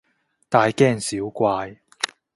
大驚小怪